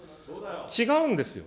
違うんですよ。